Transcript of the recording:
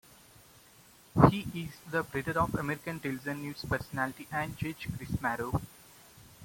He is the brother of American television news personality and Judge Chris Marrou.